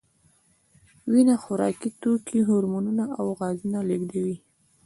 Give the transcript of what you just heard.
وینه خوراکي توکي، هورمونونه او غازونه لېږدوي.